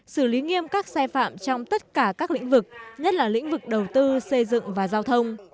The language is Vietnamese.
xử lý nghiêm các sai phạm trong tất cả các lĩnh vực nhất là lĩnh vực đầu tư xây dựng và giao thông